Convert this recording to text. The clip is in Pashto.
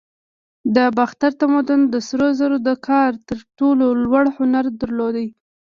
د باختر تمدن د سرو زرو د کار تر ټولو لوړ هنر درلود